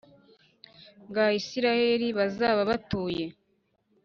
Bwa isirayeli bazaba batuye